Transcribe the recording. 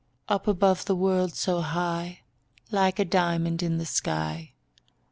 Up above the world so high, Like a diamond in the sky.